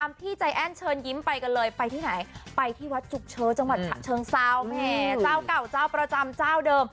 พี่ใจแอ้นเชิญยิ้มไปกันเลยไปที่ไหนไปที่วัดจุกเชอจังหวัดฉะเชิงเซาแหมเจ้าเก่าเจ้าประจำเจ้าเดิม